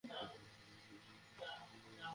মুসলমানদের আহ্বান কর।